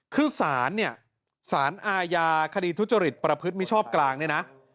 คือสารเนี่ยสารอาญาคดีทุจริตประพฤติมิชอบกลางเนี่ยนะ